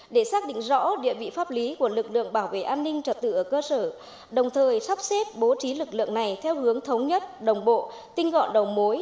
để xác định rõ địa vị pháp lý của lực lượng bảo vệ an ninh trật tự ở cơ sở đồng thời sắp xếp bố trí lực lượng này theo hướng thống nhất đồng bộ tinh gọn đầu mối